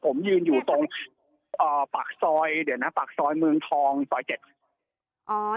ผมยืนอยู่ตรงปากซอยเดี๋ยวนะปากซอยเมืองทองซอยเจ็ดอ๋อ